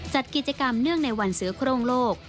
จัดกิจกรรมเนื่องในวันเสือโครงโลก